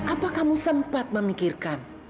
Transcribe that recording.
apa kamu sempat memikirkan